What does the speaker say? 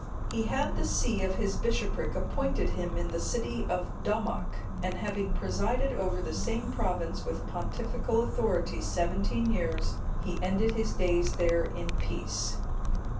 He had the see of his bishopric appointed him in the city Dommoc,(250) and having presided over the same province with pontifical authority seventeen years, he ended his days there in peace.